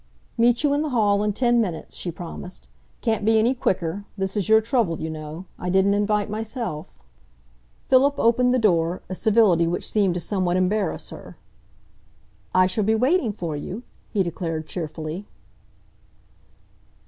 "Meet you in the hall in ten minutes," she promised. "Can't be any quicker. This is your trouble, you know. I didn't invite myself." Philip opened the door, a civility which seemed to somewhat embarrass her. "I shall be waiting for you," he declared cheerfully.